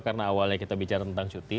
karena awalnya kita bicara tentang cuti